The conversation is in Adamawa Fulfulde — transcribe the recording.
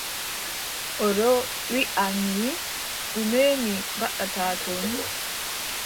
O ɗo wiʼa mi, ɗume mi ngaɗata ton.